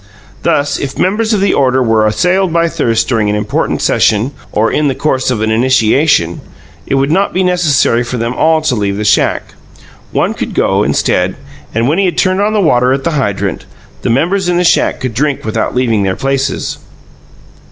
Thus, if members of the order were assailed by thirst during an important session, or in the course of an initiation, it would not be necessary for them all to leave the shack. One could go, instead, and when he had turned on the water at the hydrant, the members in the shack could drink without leaving their places.